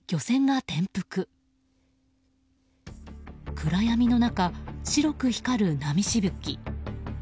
暗闇の中、白く光る波しぶき。